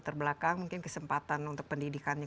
terbelakang mungkin kesempatan untuk pendidikannya